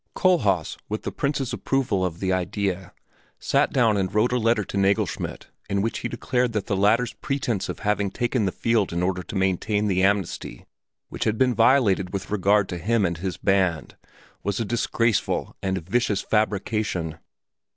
Kohlhaas, with the Prince's approval of the idea, sat down and wrote a letter to Nagelschmidt in which he declared that the latter's pretense of having taken the field in order to maintain the amnesty which had been violated with regard to him and his band, was a disgraceful and vicious fabrication.